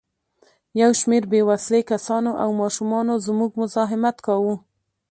یو شمېر بې وسلې کسانو او ماشومانو زموږ مزاحمت کاوه.